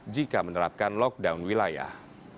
jika menerapkan lockdown wilayah